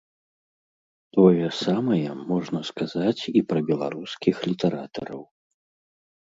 Тое самае можна сказаць і пра беларускіх літаратараў.